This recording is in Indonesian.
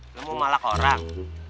lu mau malak orang